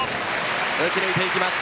打ち抜いていきました。